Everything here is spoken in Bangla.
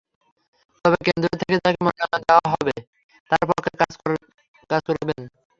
তবে কেন্দ্র থেকে যাঁকে মনোনয়ন দেওয়া হবে তাঁর পক্ষে তাঁরা কাজ করবেন।